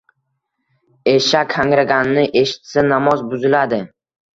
Eshak hangraganini eshitsa namoz buziladi